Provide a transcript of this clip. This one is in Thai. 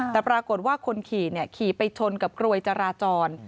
แต่ปรากฏว่าคนขี่ขี่ไปชนกับกรวยจราจร